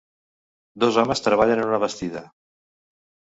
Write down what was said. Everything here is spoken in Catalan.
Dos homes treballen en una bastida.